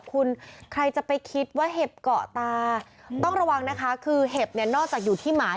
คุณใครจะไปคิดว่าเห็บเกาะตาต้องระวังนะคะคือเห็บเนี่ยนอกจากอยู่ที่หมา